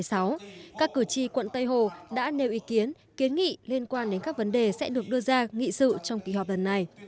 các cử tri quận tây hồ đã nêu ý kiến kiến nghị liên quan đến các vấn đề sẽ được đưa ra nghị sự trong kỳ họp lần này